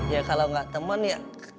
ya kalo gak temen ya